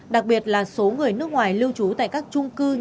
đặc biệt là số người nước ngoài lưu trú tại các trung cư